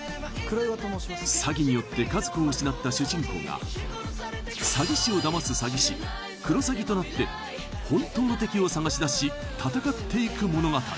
詐欺によって家族を失った主人公が詐欺師をダマす詐欺師クロサギとなって本当の敵を探しだし戦っていく物語